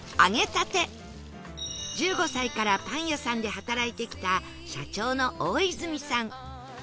１５歳からパン屋さんで働いてきた社長の大泉さん